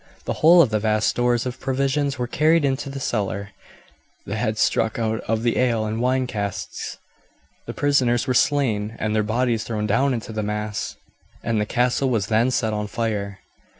The whole of the vast stores of provisions were carried into the cellar, the heads struck out of the ale and wine casks, the prisoners were slain and their bodies thrown down into the mass, and the castle was then set on fire.